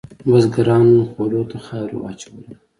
بزګرانو خولو ته خاورې واچولې.